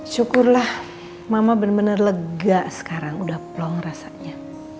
syukurlah mama bener bener lega sekarang udah plong rasanya